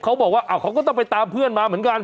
เขาบอกว่าเขาก็ต้องไปตามเพื่อนมาเหมือนกัน